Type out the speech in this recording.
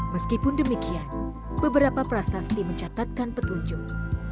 meskipun demikian beberapa prasasti mencatatkan petunjuk